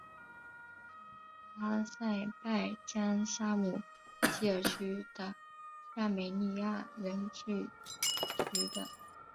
出生于阿塞拜疆沙姆基尔区的亚美尼亚人聚居的。